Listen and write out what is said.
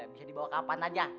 bisa dibawa kapan aja